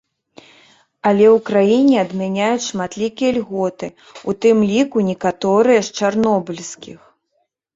Але ў краіне адмяняюць шматлікія льготы, у тым ліку некаторыя з чарнобыльскіх.